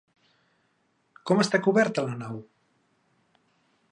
Com està coberta la nau?